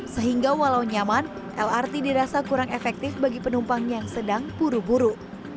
sehingga walau nyaman lrt dirasa kurang efektif bagi penumpang yang sedang buru buru